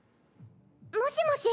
もしもし？